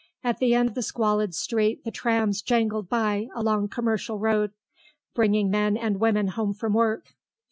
At the end of the squalid street the trams jangled by along Commercial Road, bringing men and women home from work.